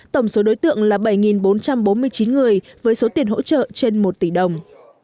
tổng số đối tượng là bảy bốn trăm bốn mươi chín người với số tiền hỗ trợ trên một tỷ đồng